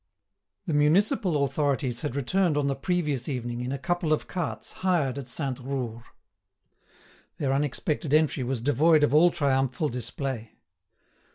The municipal authorities had returned on the previous evening in a couple of carts hired at Sainte Roure. Their unexpected entry was devoid of all triumphal display.